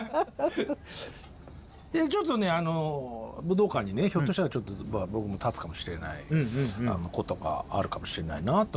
ちょっとね武道館にねひょっとしたら僕も立つかもしれないことがあるかもしれないなと思って。